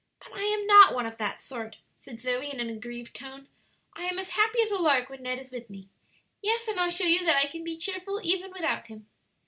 "But I am not one of that sort," said Zoe, in an aggrieved tone. "I am as happy as a lark when Ned is with me. Yes, and I'll show you that I can be cheerful even without him."